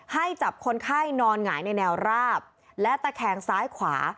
ให้จับคนไข้นอนหงายในแนวราบและตะแคงซ้ายขวา